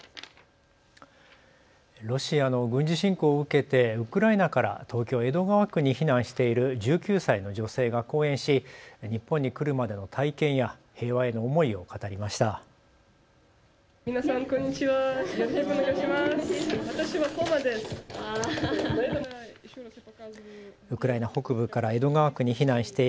ロシアの軍事侵攻を受けてウクライナから東京江戸川区に避難している１９歳の女性が講演し日本に来るまでの体験や平和への思いを語りました。